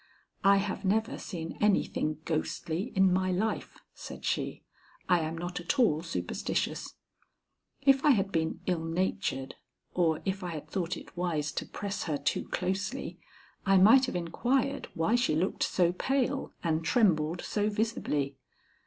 "I have never seen anything ghostly in my life," said she. "I am not at all superstitious." If I had been ill natured or if I had thought it wise to press her too closely, I might have inquired why she looked so pale and trembled so visibly.